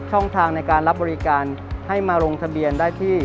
ช่องทางในการรับบริการให้มาลงทะเบียนได้ที่